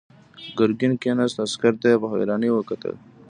ګرګين کېناست، عسکر ته يې په حيرانۍ وکتل.